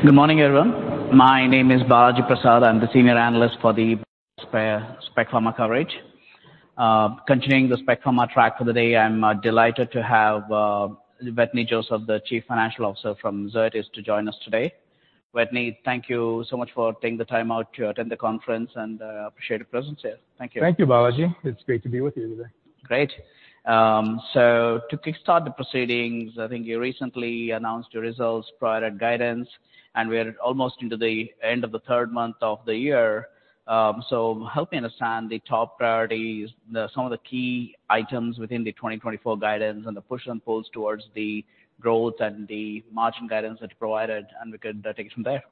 Good morning, everyone. My name is Balaji Prasad. I'm the senior analyst for the Spec Pharma coverage. Continuing the Spec Pharma track for the day, I'm delighted to have Wetteny Joseph, the Chief Financial Officer from Zoetis, to join us today. Wetteny, thank you so much for taking the time out to attend the conference, and appreciate your presence here. Thank you. Thank you, Balaji. It's great to be with you today. Great. So to kickstart the proceedings, I think you recently announced your results, product guidance, and we're almost into the end of the third month of the year. So help me understand the top priorities, some of the key items within the 2024 guidance and the push and pulls towards the growth and the margin guidance that you provided, and we could take it from there.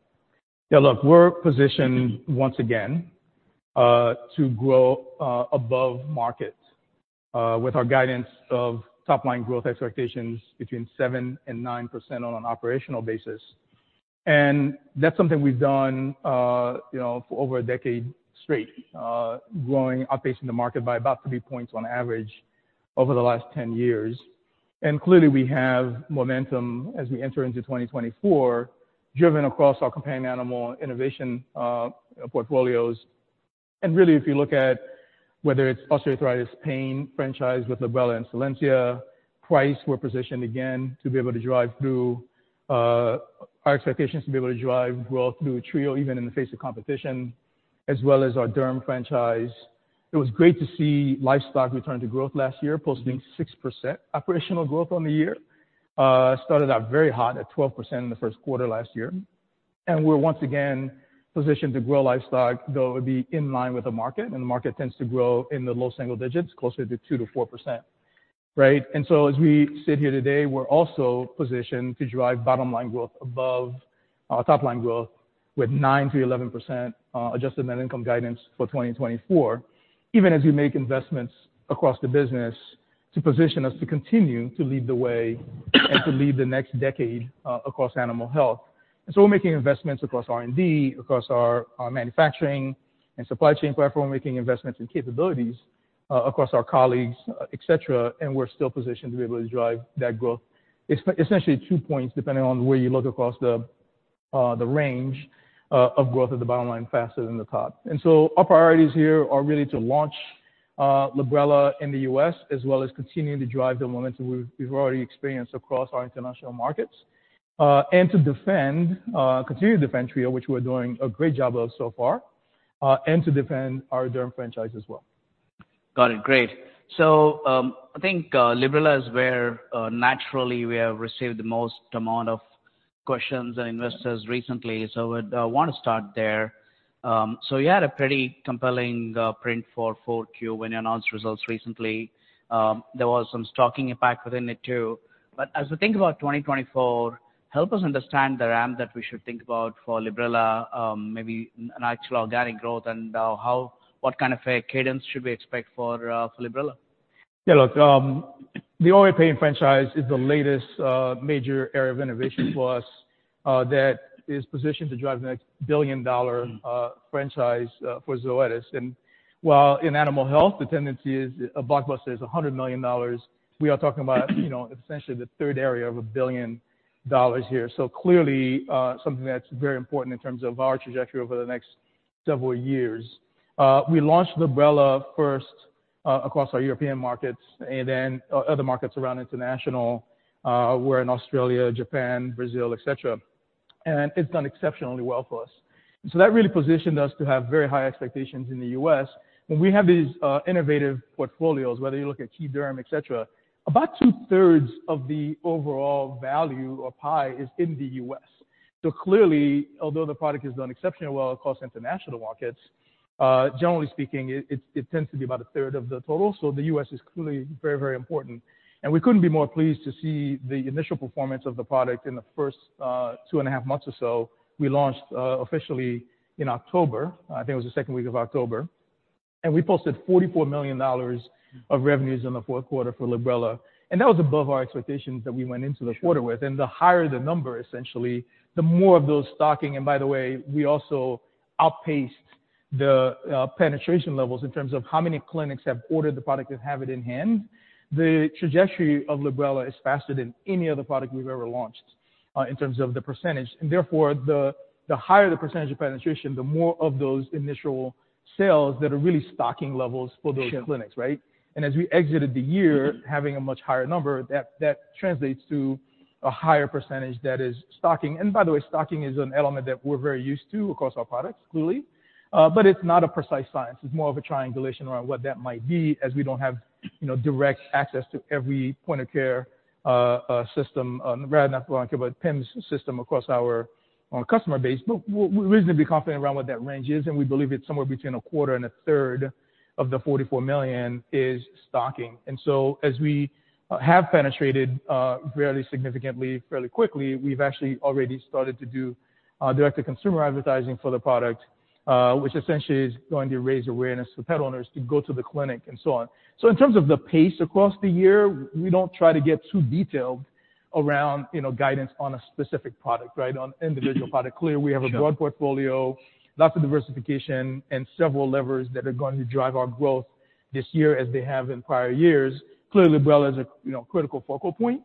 Yeah, look, we're positioned once again to grow above market with our guidance of top-line growth expectations between 7%-9% on an operational basis. And that's something we've done, you know, for over a decade straight, growing, outpacing the market by about three points on average over the last 10 years. And clearly, we have momentum as we enter into 2024, driven across our companion animal innovation portfolios. And really, if you look at whether it's osteoarthritis pain franchise with Librela and Solensia, price, we're positioned again to be able to drive through our expectations to be able to drive growth through Trio, even in the face of competition, as well as our derm franchise. It was great to see livestock return to growth last year, posting 6% operational growth on the year. Started out very hot at 12% in the first quarter last year, and we're once again positioned to grow livestock, though it'll be in line with the market, and the market tends to grow in the low single digits, closer to 2%-4%. Right, and so as we sit here today, we're also positioned to drive bottom line growth above our top line growth with 9%-11% Adjusted Net Income guidance for 2024, even as we make investments across the business to position us to continue to lead the way and to lead the next decade across animal health. And so we're making investments across R&D, across our manufacturing and supply chain platform, we're making investments in capabilities across our colleagues, et cetera, and we're still positioned to be able to drive that growth. Essentially two points, depending on the way you look across the range of growth of the bottom line faster than the top. And so our priorities here are really to launch Librela in the US, as well as continuing to drive the momentum we've already experienced across our international markets, and to defend, continue to defend Trio, which we're doing a great job of so far, and to defend our Derm franchise as well. Got it. Great. So, I think, Librela is where, naturally we have received the most amount of questions and investors recently, so I would, want to start there. So you had a pretty compelling, print for Q4 when you announced results recently. There was some stocking impact within it, too. But as we think about 2024, help us understand the ramp that we should think about for Librela, maybe an actual organic growth and, how, what kind of a cadence should we expect for, for Librela? Yeah, look, the pain franchise is the latest major area of innovation for us that is positioned to drive the next billion-dollar franchise for Zoetis. And while in animal health, the tendency is a blockbuster is $100 million, we are talking about, you know, essentially the third area of $1 billion here. So clearly, something that's very important in terms of our trajectory over the next several years. We launched Librela first across our European markets and then other markets around international; we're in Australia, Japan, Brazil, etc., and it's done exceptionally well for us. So that really positioned us to have very high expectations in the US. When we have these innovative portfolios, whether you look at our derm, etc., about two-thirds of the overall value or pie is in the US. So clearly, although the product has done exceptionally well across international markets, generally speaking, it tends to be about a third of the total. So the U.S. is clearly very, very important. And we couldn't be more pleased to see the initial performance of the product in the first two and a half months or so. We launched officially in October. I think it was the second week of October, and we posted $44 million of revenues in the fourth quarter for Librela, and that was above our expectations that we went into the quarter with. And the higher the number, essentially, the more of those stocking... And by the way, we also outpaced the penetration levels in terms of how many clinics have ordered the product and have it in hand. The trajectory of Librela is faster than any other product we've ever launched in terms of the percentage. And therefore, the higher the percentage of penetration, the more of those initial sales that are really stocking levels for those clinics, right? Sure. As we exited the year, having a much higher number, that translates to a higher percentage that is stocking. By the way, stocking is an element that we're very used to across our products, clearly, but it's not a precise science. It's more of a triangulation around what that might be, as we don't have, you know, direct access to every point of care system, rather not, but PIMS system across our customer base. But we reasonably confident around what that range is, and we believe it's somewhere between a quarter and a third of the $44 million is stocking. So as we have penetrated fairly significantly, fairly quickly, we've actually already started to do direct-to-consumer advertising for the product, which essentially is going to raise awareness to pet owners to go to the clinic and so on. So in terms of the pace across the year, we don't try to get too detailed around, you know, guidance on a specific product, right? On individual product. Sure. Clearly, we have a broad portfolio, lots of diversification and several levers that are going to drive our growth. This year as they have in prior years, clearly Librela is a, you know, critical focal point.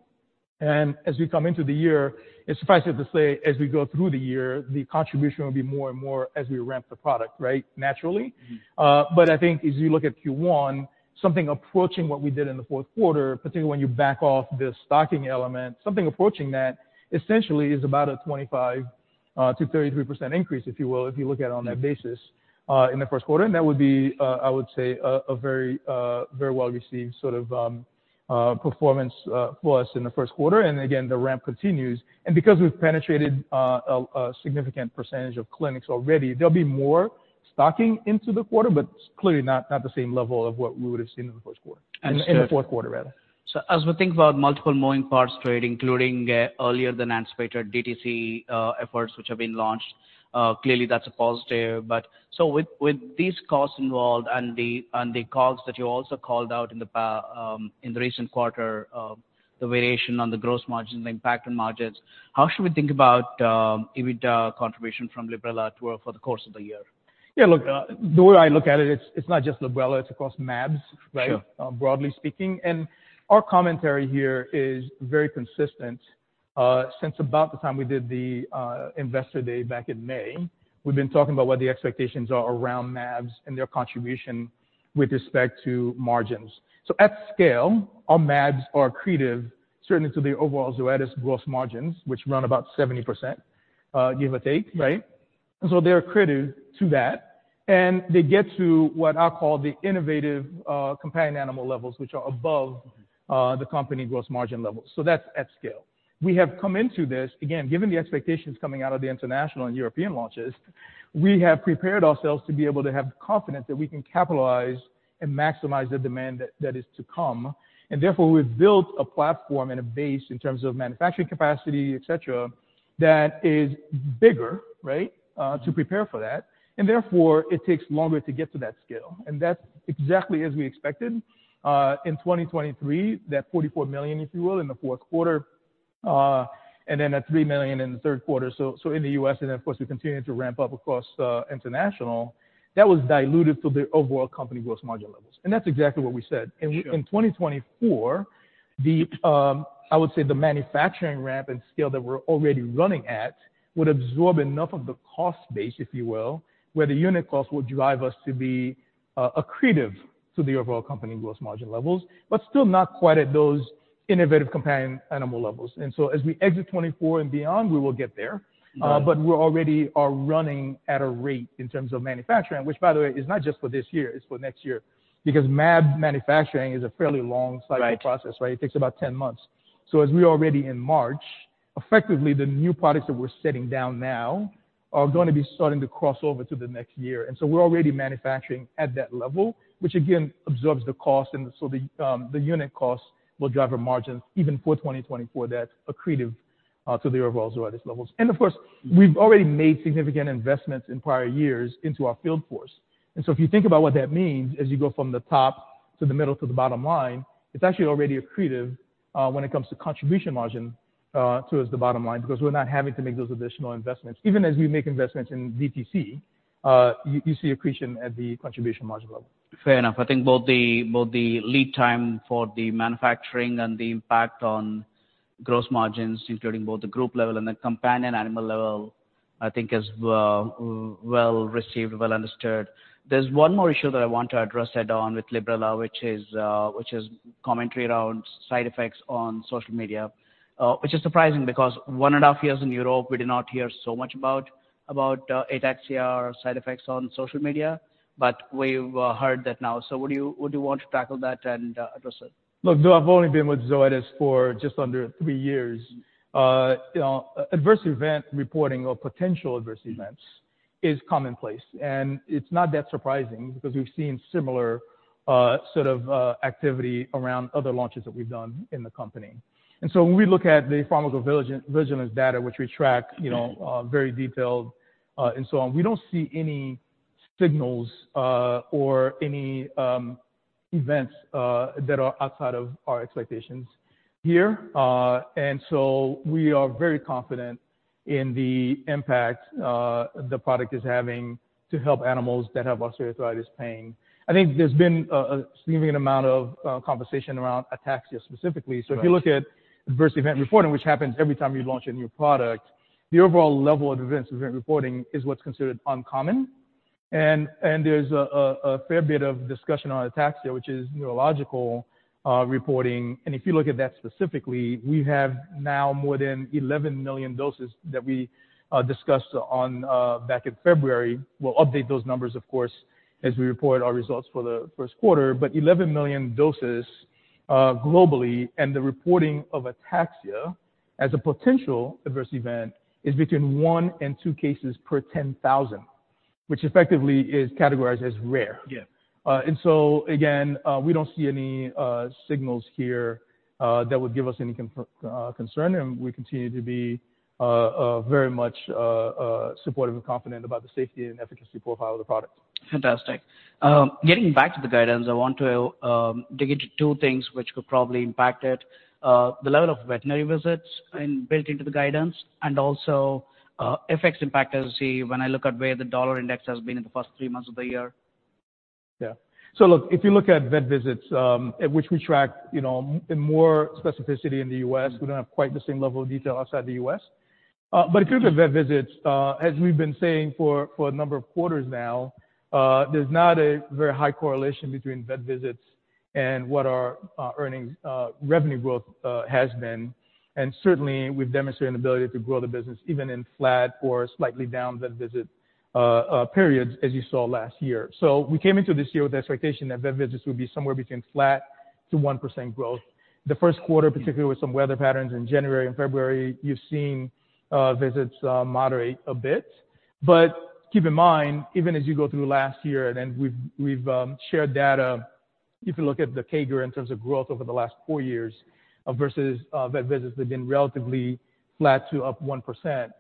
And as we come into the year, it's suffice it to say, as we go through the year, the contribution will be more and more as we ramp the product, right? Naturally. But I think as you look at Q1, something approaching what we did in the fourth quarter, particularly when you back off the stocking element, something approaching that essentially is about a 25%-33% increase, if you will, if you look at it on that basis, in the first quarter. And that would be, I would say, a very, very well received sort of performance, for us in the first quarter. And again, the ramp continues. And because we've penetrated a significant percentage of clinics already, there'll be more stocking into the quarter, but clearly not the same level of what we would've seen in the first quarter- Understood. In the fourth quarter, rather. So as we think about multiple moving parts trade, including, earlier than anticipated DTC efforts which have been launched, clearly that's a positive. But so with, with these costs involved and the, and the costs that you also called out in the pa- in the recent quarter, the variation on the gross margin, the impact on margins, how should we think about, EBITDA contribution from Librela to—for the course of the year? Yeah, look, the way I look at it, it's, it's not just Librela, it's across mAbs, right? Sure. Broadly speaking. Our commentary here is very consistent. Since about the time we did the investor day back in May, we've been talking about what the expectations are around mAbs and their contribution with respect to margins. So at scale, our mAbs are accretive, certainly to the overall Zoetis gross margins, which run about 70%, give or take, right? And so they're accretive to that, and they get to what I call the innovative companion animal levels, which are above the company gross margin levels. So that's at scale. We have come into this, again, given the expectations coming out of the international and European launches, we have prepared ourselves to be able to have confidence that we can capitalize and maximize the demand that is to come. And therefore, we've built a platform and a base in terms of manufacturing capacity, et cetera, that is bigger, right, to prepare for that. And therefore, it takes longer to get to that scale. And that's exactly as we expected. In 2023, that $44 million, if you will, in the fourth quarter, and then at $3 million in the third quarter. So, so in the U.S., and of course, we continue to ramp up across international, that was diluted to the overall company gross margin levels. And that's exactly what we said. Sure. In 2024, I would say the manufacturing ramp and scale that we're already running at would absorb enough of the cost base, if you will, where the unit cost would drive us to be accretive to the overall company gross margin levels, but still not quite at those innovative companion animal levels. And so as we exit 2024 and beyond, we will get there. Sure. But we're already running at a rate in terms of manufacturing, which, by the way, is not just for this year, it's for next year. Because mAb manufacturing is a fairly long cycle- Right. - process, right? It takes about 10 months. So as we already in March, effectively, the new products that we're setting down now are gonna be starting to cross over to the next year. And so we're already manufacturing at that level, which again, absorbs the cost, and so the unit cost will drive our margins even for 2024, that's accretive to the overall Zoetis levels. And of course, we've already made significant investments in prior years into our field force. And so if you think about what that means, as you go from the top to the middle to the bottom line, it's actually already accretive when it comes to contribution margin towards the bottom line, because we're not having to make those additional investments. Even as we make investments in DTC, you see accretion at the contribution margin level. Fair enough. I think both the, both the lead time for the manufacturing and the impact on gross margins, including both the group level and the companion animal level, I think is well received, well understood. There's one more issue that I want to address head-on with Librela, which is, which is commentary around side effects on social media. Which is surprising, because one and a half years in Europe, we did not hear so much about, about, ataxia or side effects on social media, but we've heard that now. So would you, would you want to tackle that and address it? Look, though I've only been with Zoetis for just under three years, you know, adverse event reporting or potential adverse events is commonplace, and it's not that surprising because we've seen similar, sort of, activity around other launches that we've done in the company. And so when we look at the pharmacovigilance data, which we track, you know, very detailed, and so on, we don't see any signals, or any, events, that are outside of our expectations here. And so we are very confident in the impact, the product is having to help animals that have osteoarthritis pain. I think there's been a, a significant amount of, conversation around ataxia specifically. Right. So if you look at adverse event reporting, which happens every time you launch a new product, the overall level of event reporting is what's considered uncommon. And there's a fair bit of discussion on ataxia, which is neurological reporting. And if you look at that specifically, we have now more than 11 million doses that we discussed on back in February. We'll update those numbers, of course, as we report our results for the first quarter. But 11 million doses globally, and the reporting of ataxia as a potential adverse event, is between one and two cases per 10,000, which effectively is categorized as rare. Yeah. And so again, we don't see any signals here that would give us any concern, and we continue to be very much supportive and confident about the safety and efficacy profile of the product. Fantastic. Getting back to the guidance, I want to dig into two things which could probably impact it. The level of veterinary visits and built into the guidance, and also, FX impact as you see, when I look at where the dollar index has been in the first three months of the year?... Yeah. So look, if you look at vet visits, at which we track, you know, in more specificity in the US, we don't have quite the same level of detail outside the US. But if you look at vet visits, as we've been saying for a number of quarters now, there's not a very high correlation between vet visits and what our earnings revenue growth has been. And certainly we've demonstrated an ability to grow the business even in flat or slightly down vet visit periods, as you saw last year. So we came into this year with the expectation that vet visits would be somewhere between flat to 1% growth. The first quarter, particularly with some weather patterns in January and February, you've seen visits moderate a bit. But keep in mind, even as you go through last year, and then we've shared data, if you look at the CAGR in terms of growth over the last four years, versus vet visits, they've been relatively flat to up 1%.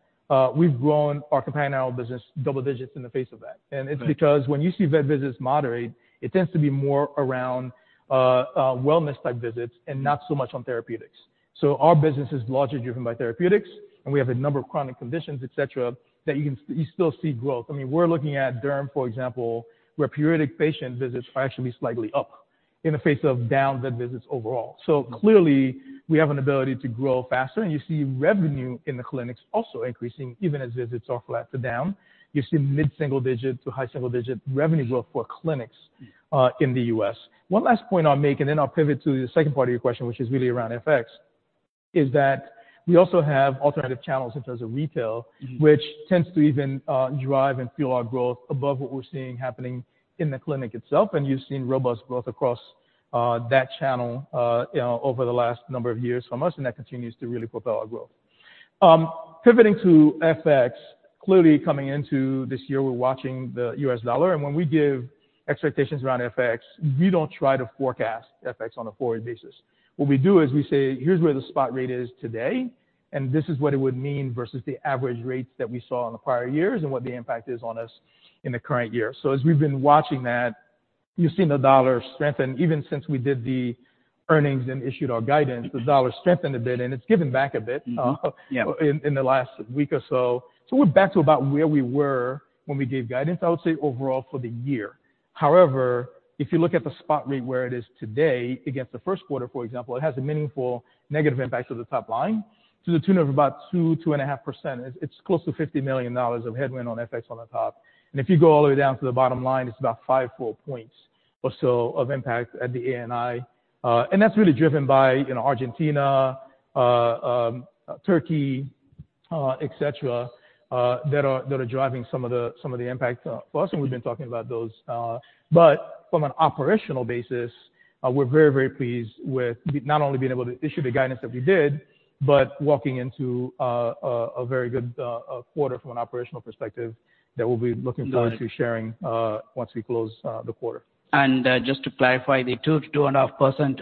We've grown our companion animal business double digits in the face of that. Right. And it's because when you see vet visits moderate, it tends to be more around wellness-type visits and not so much on therapeutics. So our business is largely driven by therapeutics, and we have a number of chronic conditions, et cetera, that you can-- you still see growth. I mean, we're looking at derm, for example, where periodic patient visits are actually slightly up in the face of down vet visits overall. So clearly, we have an ability to grow faster, and you see revenue in the clinics also increasing, even as visits are flat to down. You see mid-single digit to high single digit revenue growth for clinics in the U.S. One last point I'll make, and then I'll pivot to the second part of your question, which is really around FX, is that we also have alternative channels in terms of retail- Mm-hmm. -which tends to even, drive and fuel our growth above what we're seeing happening in the clinic itself. And you've seen robust growth across, that channel, you know, over the last number of years from us, and that continues to really propel our growth. Pivoting to FX, clearly coming into this year, we're watching the US dollar. And when we give expectations around FX, we don't try to forecast FX on a forward basis. What we do is we say, "Here's where the spot rate is today, and this is what it would mean versus the average rates that we saw in the prior years and what the impact is on us in the current year." So as we've been watching that, you've seen the dollar strengthen. Even since we did the earnings and issued our guidance, the dollar strengthened a bit, and it's given back a bit. Yeah. in the last week or so. So we're back to about where we were when we gave guidance, I would say, overall for the year. However, if you look at the spot rate where it is today, against the first quarter, for example, it has a meaningful negative impact to the top line, to the tune of about 2%-2.5%. It's close to $50 million of headwind on FX on the top. And if you go all the way down to the bottom line, it's about five full points or so of impact at the ANI. And that's really driven by, you know, Argentina, Turkey, et cetera, that are driving some of the impact for us, and we've been talking about those. But from an operational basis, we're very, very pleased with not only being able to issue the guidance that we did, but walking into a very good quarter from an operational perspective that we'll be looking forward- Got it. -to sharing, once we close, the quarter. Just to clarify, the 2%-2.5%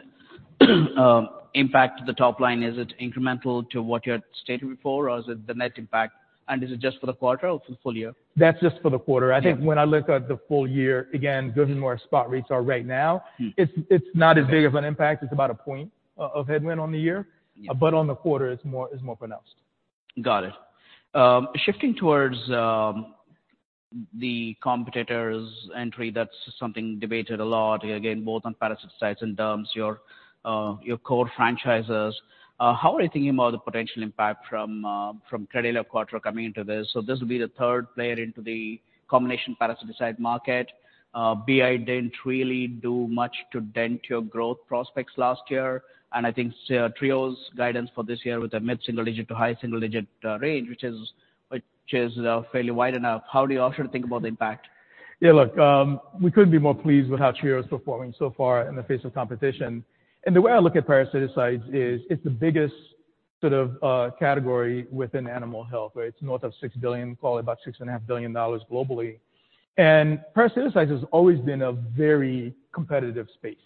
impact to the top line, is it incremental to what you had stated before, or is it the net impact? And is it just for the quarter or the full year? That's just for the quarter. Yeah. I think when I look at the full year, again, given where our spot rates are right now- Mm. It's, it's not as big of an impact. It's about a point of headwind on the year. Yeah. But on the quarter, it's more, it's more pronounced. Got it. Shifting towards the competitors' entry, that's something debated a lot, again, both on parasiticides and terms, your core franchises. How are you thinking about the potential impact from Credelio Quattro coming into this? So this will be the third player into the combination parasiticide market. BI didn't really do much to dent your growth prospects last year, and I think Trio's guidance for this year, with a mid-single digit to high single digit range, which is fairly wide enough. How do you all sort of think about the impact? Yeah, look, we couldn't be more pleased with how Trio is performing so far in the face of competition. And the way I look at parasiticides is, it's the biggest sort of category within animal health, where it's north of $6 billion, probably about $6.5 billion globally. And parasiticides has always been a very competitive space.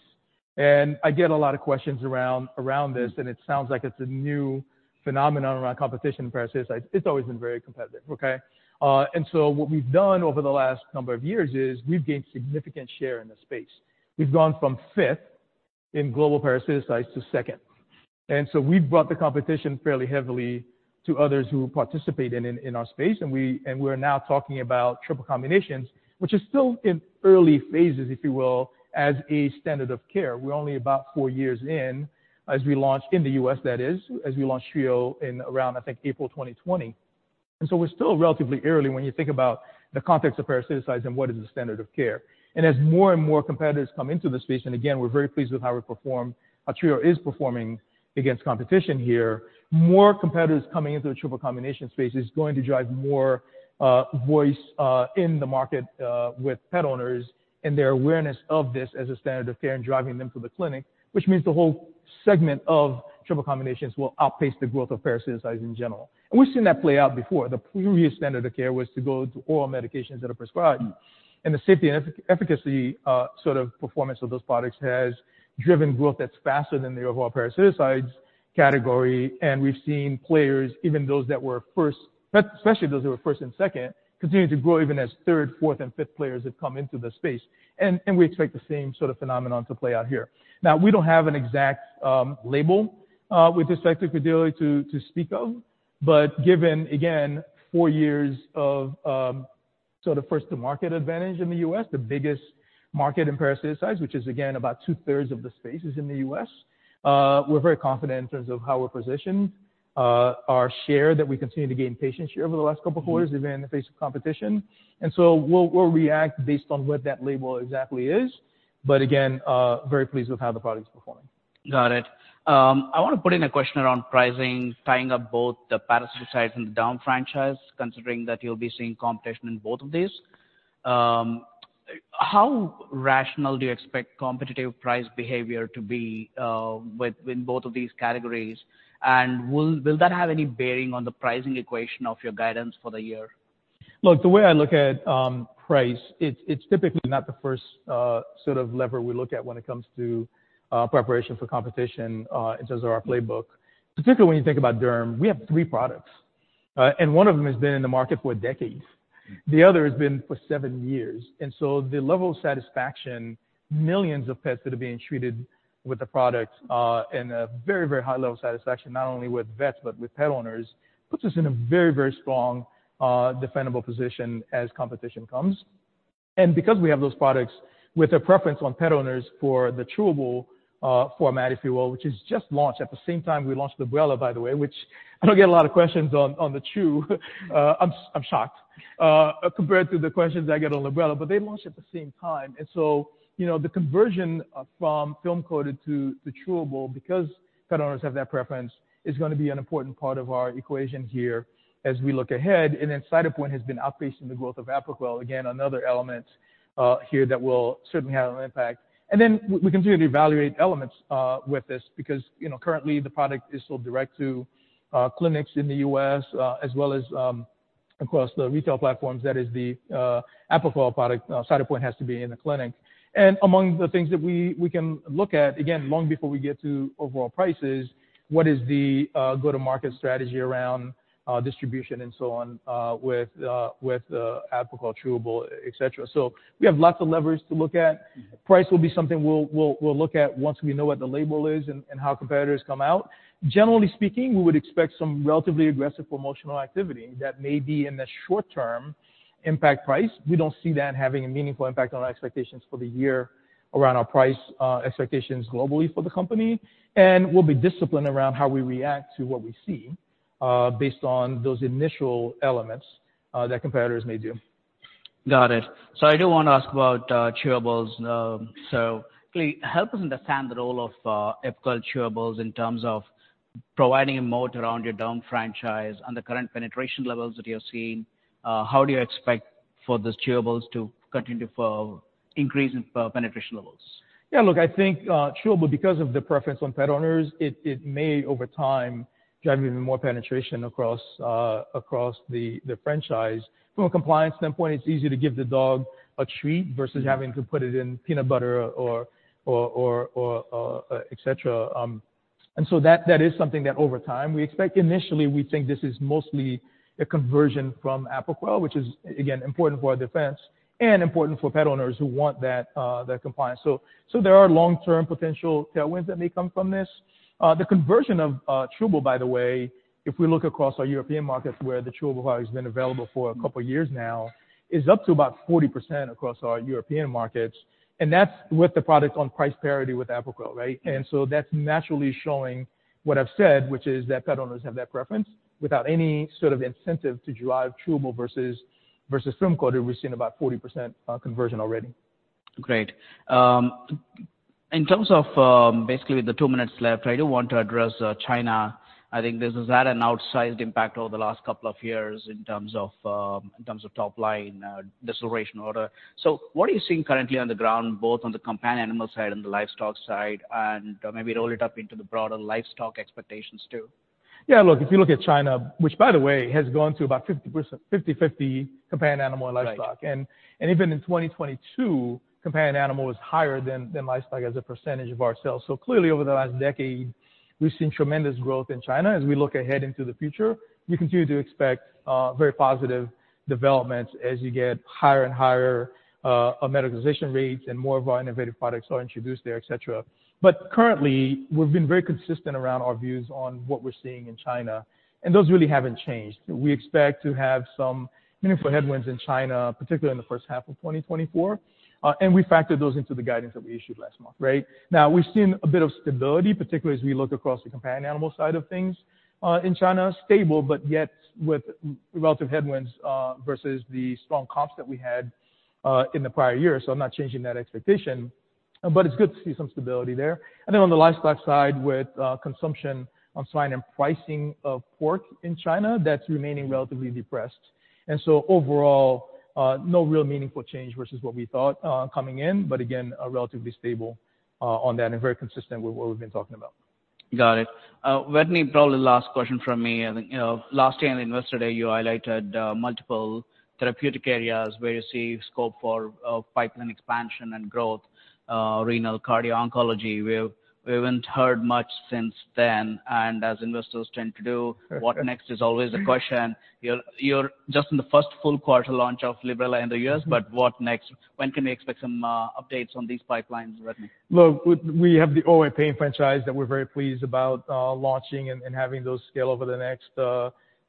And I get a lot of questions around this, and it sounds like it's a new phenomenon around competition in parasiticides. It's always been very competitive, okay? And so what we've done over the last number of years is, we've gained significant share in the space. We've gone from fifth in global parasiticides to second. And so we've brought the competition fairly heavily to others who participate in our space, and we're now talking about triple combinations, which is still in early phases, if you will, as a standard of care. We're only about four years in as we launched in the U.S., that is, as we launched Trio in around, I think, April 2020. And so we're still relatively early when you think about the context of parasiticides and what is the standard of care. And as more and more competitors come into the space, and again, we're very pleased with how we perform, how Trio is performing against competition here. More competitors coming into the triple combination space is going to drive more voice in the market with pet owners and their awareness of this as a standard of care and driving them to the clinic, which means the whole segment of triple combinations will outpace the growth of parasiticides in general. We've seen that play out before. The previous standard of care was to go to oral medications that are prescribed. Mm. The safety and efficacy, sort of performance of those products has driven growth that's faster than the overall parasiticides category. We've seen players, even those that were first, especially those who were first and second, continue to grow even as third, fourth, and fifth players have come into the space. And we expect the same sort of phenomenon to play out here. Now, we don't have an exact label with respect to Credelio to speak of, but given, again, 4 years of first to market advantage in the US, the biggest market in parasiticides, which is again, about two-thirds of the space is in the US. We're very confident in terms of how we're positioned, our share that we continue to gain patient share over the last couple of quarters, even in the face of competition. We'll react based on what that label exactly is. But again, very pleased with how the product is performing. Got it. I wanna put in a question around pricing, tying up both the parasiticides and the derm franchise, considering that you'll be seeing competition in both of these. How rational do you expect competitive price behavior to be, with, in both of these categories? And will that have any bearing on the pricing equation of your guidance for the year? Look, the way I look at price, it's typically not the first sort of lever we look at when it comes to preparation for competition in terms of our playbook. Particularly when you think about derm, we have three products and one of them has been in the market for decades. The other has been for seven years. And so the level of satisfaction, millions of pets that are being treated with the product and a very, very high level of satisfaction, not only with vets, but with pet owners, puts us in a very, very strong defensible position as competition comes. And because we have those products with a preference on pet owners for the chewable format, if you will, which is just launched at the same time we launched the Librela, by the way, which I don't get a lot of questions on, on the chew. I'm shocked compared to the questions I get on Librela, but they launched at the same time. And so, you know, the conversion from film-coated to chewable, because pet owners have that preference, is gonna be an important part of our equation here as we look ahead. And then Cytopoint has been outpacing the growth of Apoquel, again, another element here that will certainly have an impact. And then we continue to evaluate elements with this because, you know, currently the product is sold direct to clinics in the US as well as across the retail platforms that is the Apoquel product. Cytopoint has to be in the clinic. And among the things that we can look at, again, long before we get to overall prices, what is the go-to-market strategy around distribution and so on with Apoquel Chewable, et cetera? So we have lots of levers to look at. Price will be something we'll look at once we know what the label is and how competitors come out. Generally speaking, we would expect some relatively aggressive promotional activity that may, in the short term, impact price. We don't see that having a meaningful impact on our expectations for the year around our price expectations globally for the company. We'll be disciplined around how we react to what we see based on those initial elements that competitors may do. Got it. So I do wanna ask about chewables. So please help us understand the role of Apoquel chewables in terms of providing a moat around your derm franchise and the current penetration levels that you're seeing. How do you expect for those chewables to continue to increase in penetration levels? Yeah, look, I think chewable, because of the preference on pet owners, it may, over time, drive even more penetration across the franchise. From a compliance standpoint, it's easier to give the dog a treat versus- Yeah... having to put it in peanut butter or et cetera. And so that is something that over time, we expect initially, we think this is mostly a conversion from Apoquel, which is, again, important for our defense and important for pet owners who want that compliance. So there are long-term potential tailwinds that may come from this. The conversion of chewable, by the way, if we look across our European markets, where the chewable product has been available for a couple of years now, is up to about 40% across our European markets, and that's with the product on price parity with Apoquel, right? Yeah. That's naturally showing what I've said, which is that pet owners have that preference. Without any sort of incentive to drive chewable versus film-coated, we've seen about 40% conversion already. Great. In terms of, basically with the two minutes left, I do want to address, China. I think this has had an outsized impact over the last couple of years in terms of top line deceleration order. So what are you seeing currently on the ground, both on the companion animal side and the livestock side, and maybe roll it up into the broader livestock expectations, too? Yeah, look, if you look at China, which by the way, has gone through about 50%, 50/50 companion animal and livestock. Right. Even in 2022, companion animal was higher than livestock as a percentage of our sales. So clearly, over the last decade, we've seen tremendous growth in China. As we look ahead into the future, we continue to expect very positive developments as you get higher and higher medicalization rates and more of our innovative products are introduced there, et cetera. But currently, we've been very consistent around our views on what we're seeing in China, and those really haven't changed. We expect to have some meaningful headwinds in China, particularly in the first half of 2024, and we factored those into the guidance that we issued last month, right? Now, we've seen a bit of stability, particularly as we look across the companion animal side of things, in China. Stable, but yet with relative headwinds, versus the strong comps that we had, in the prior years, so I'm not changing that expectation. But it's good to see some stability there. And then on the livestock side, with, consumption on swine and pricing of pork in China, that's remaining relatively depressed. And so overall, no real meaningful change versus what we thought, coming in, but again, relatively stable, on that and very consistent with what we've been talking about. Got it. Probably the last question from me. I think, you know, last year in Investor Day, you highlighted multiple therapeutic areas where you see scope for pipeline expansion and growth, renal, cardio, oncology, where we haven't heard much since then. And as investors tend to do- Sure. What next is always the question. You're, you're just in the first full quarter launch of Librela in the U.S., but what next? When can we expect some updates on these pipelines, Wetteny? Look, we, we have the OA pain franchise that we're very pleased about, launching and, and having those scale over the next,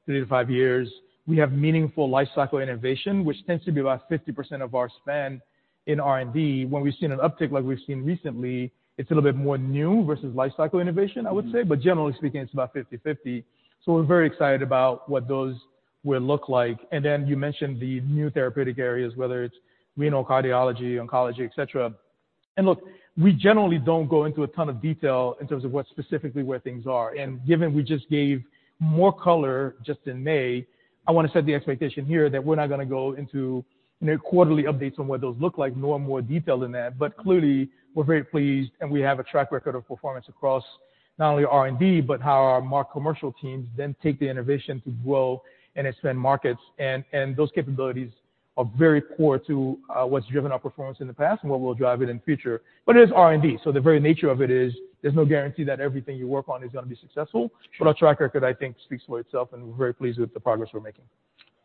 3 to 5 years. We have meaningful lifecycle innovation, which tends to be about 50% of our spend in R&D. When we've seen an uptick like we've seen recently, it's a little bit more new versus lifecycle innovation, I would say. Mm-hmm. But generally speaking, it's about 50/50. So we're very excited about what those will look like. And then you mentioned the new therapeutic areas, whether it's renal, cardiology, oncology, et cetera. And look, we generally don't go into a ton of detail in terms of what specifically where things are. And given we just gave more color just in May, I wanna set the expectation here that we're not gonna go into, you know, quarterly updates on what those look like, nor more detail than that. But clearly, we're very pleased, and we have a track record of performance across not only R&D, but how our more commercial teams then take the innovation to grow and expand markets. And those capabilities are very core to what's driven our performance in the past and what will drive it in the future. It is R&D, so the very nature of it is, there's no guarantee that everything you work on is gonna be successful. Sure. Our track record, I think, speaks for itself, and we're very pleased with the progress we're making.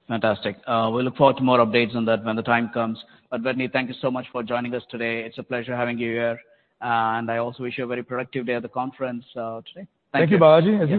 Fantastic. We look forward to more updates on that when the time comes. But Wetteny, thank you so much for joining us today. It's a pleasure having you here, and I also wish you a very productive day at the conference, today. Thank you, Balaji. Yes.